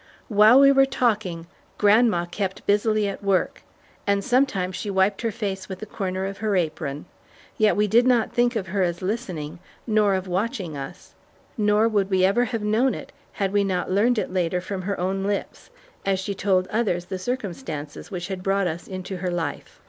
While we were talking, grandma kept busily at work, and sometimes she wiped her face with the corner of her apron, yet we did not think of her as listening, nor of watching us, nor would we ever have known it, had we not learned it later from her own lips, as she told others the circumstances which had brought us into her life.